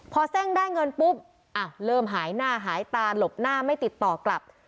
พอเส้งได้เงินปุ๊บเริ่มหายหน้าหายตาหลบหน้าไม่ติดต่อกลับ